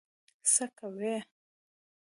څه کوي.